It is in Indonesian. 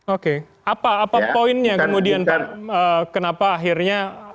oke apa poinnya kemudian pak kenapa akhirnya